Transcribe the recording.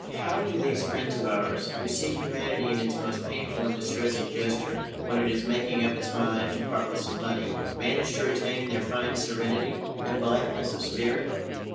How do these friends of ours, who see humanity in its most painful and distressing gesture (i.e., when it is making up its mind to part with some money), manage to retain their fine serenity and blitheness of spirit?